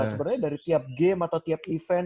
sebenarnya dari tiap game atau tiap event